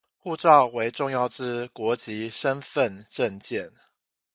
護照為重要之國籍身分證件